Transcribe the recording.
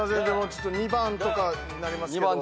２番とかになりますけど。